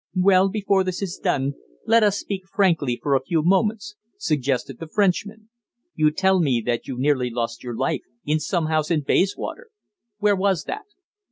"Well, before this is done, let us speak frankly for a few moments," suggested the Frenchman. "You tell me that you nearly lost your life in some house in Bayswater. Where was that?"